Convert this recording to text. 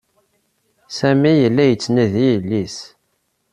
Sami yella yettnadi yelli-s.